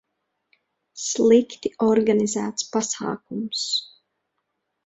Slikti organizēts pasākums